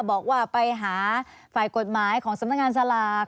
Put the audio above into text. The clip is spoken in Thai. บอกว่าไปหาฝ่ายกฎหมายของสำนักงานสลาก